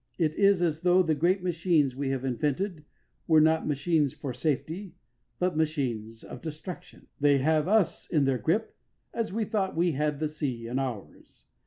It is as though the great machines we have invented were not machines of safety, but machines of destruction. They have us in their grip as we thought we had the sea in ours.